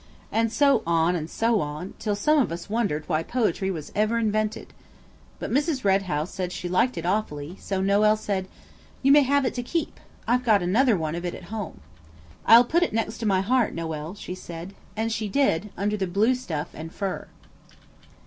And so on and so on, till some of us wondered why poetry was ever invented. But Mrs. Red House said she liked it awfully, so Noël said– "You may have it to keep. I've got another one of it at home." "I'll put it next my heart, Noël," she said. And she did, under the blue stuff and fur.